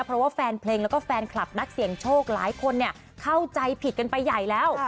เพราะว่าแฟนเพลงแล้วก็แฟนคลับนักเสี่ยงโชคหลายคนเข้าใจผิดกันไปใหญ่แล้ว